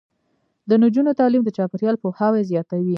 د نجونو تعلیم د چاپیریال پوهاوی زیاتوي.